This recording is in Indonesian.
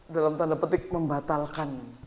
dalam tanda petik membatalkan